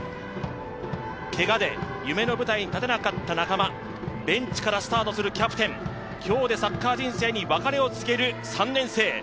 けがで夢の舞台に立てなかった仲間、ベンチからスタートするキャプテン、今日でサッカー人生に別れを告げる３年生。